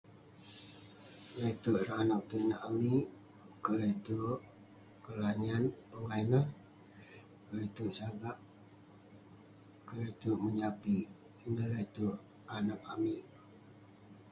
Le'terk ireh anag tong inak amik, kle'terk kelanyat, pongah ineh..kle'terk sagak..kle'terk menyapik..ineh le'terk anag amik..